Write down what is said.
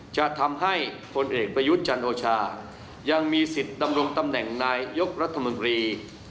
จะทำให้พลเอกประยุทธ์จันโอชายังมีสิทธิ์ดำรงตำแหน่งนายยกรัฐมนตรี